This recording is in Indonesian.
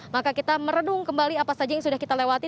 maka kita meredung kembali apa saja yang sudah kita lewati